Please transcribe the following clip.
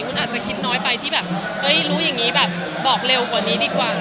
อาจจะคิดน้อยไปที่แบบเฮ้ยรู้อย่างนี้แบบบอกเร็วกว่านี้ดีกว่า